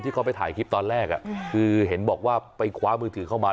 เขาไปถ่ายคลิปตอนแรกคือเห็นบอกว่าไปคว้ามือถือเข้ามา